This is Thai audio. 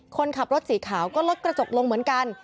คนขับรถสีขาวก็ลดกระจกลงเหมือนกัน